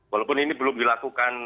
walaupun ini belum dilakukan